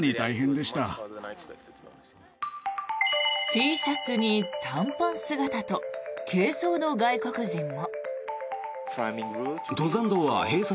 Ｔシャツに短パン姿と軽装の外国人も。